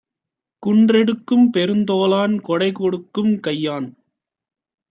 குன்றெடுக்கும் பெருந்தோளான் கொடைகொடுக்கும் கையான்!